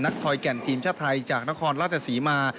ทอยแก่นทีมชาติไทยจากนครราชศรีมา